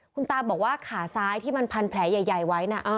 คุณตาบอกว่าขาซ้ายที่มันพันแผลใหญ่ไว้นะ